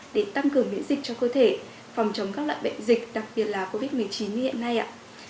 để tăng cường miễn dịch cho cơ thể phòng chống các loại bệnh dịch đặc biệt là covid một mươi chín như hiện nay ạ